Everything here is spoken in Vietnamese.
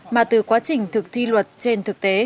mà từ quá trình thực thi luật trên thực tế